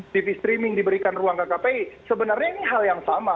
tv streaming diberikan ruang ke kpi sebenarnya ini hal yang sama